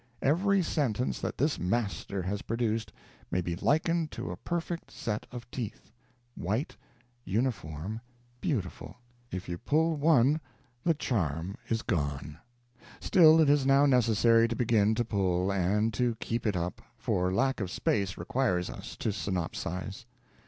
Every sentence that this master has produced may be likened to a perfect set of teeth, white, uniform, beautiful. If you pull one, the charm is gone. Still, it is now necessary to begin to pull, and to keep it up; for lack of space requires us to synopsize.